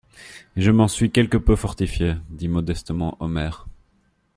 Et je m'en suis quelque peu fortifié, dit modestement Omer.